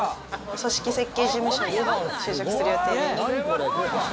組織設計事務所に就職する予定です。